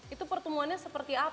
itu pertemuannya seperti apa